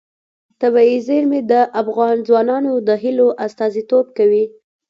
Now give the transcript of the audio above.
طبیعي زیرمې د افغان ځوانانو د هیلو استازیتوب کوي.